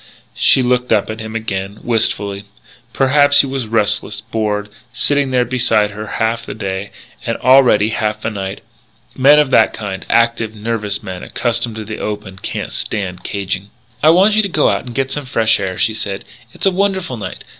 She looked up at him again, wistfully. Perhaps he was restless, bored, sitting there beside her half the day, and, already, half the night. Men of that kind active, nervous young men accustomed to the open, can't stand caging. "I want you to go out and get some fresh air," she said. "It's a wonderful night.